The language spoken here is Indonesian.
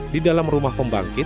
di dalam rumah pembangkit